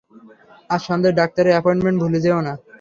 আজ সন্ধ্যায় ডাক্তারের অ্যাপয়েন্টমেন্ট ভুলে যেওনা!